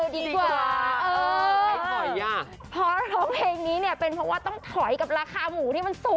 ดีกว่าอ้าว